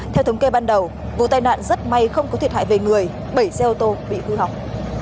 theo thống kê ban đầu vụ tai nạn rất may không có thiệt hại về người bảy xe ô tô bị hư hỏng